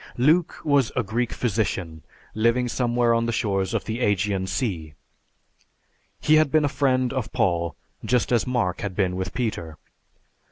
Luke was a Greek physician living somewhere on the shores of the Ægean Sea. He had been a friend of Paul, just as Mark had been with Peter.